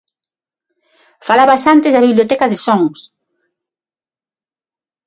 Falabas antes da biblioteca de sons.